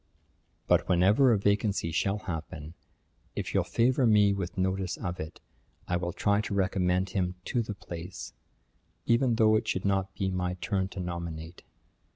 But whenever a vacancy shall happen, if you'll favour me with notice of it, I will try to recommend him to the place, even though it should not be my turn to nominate.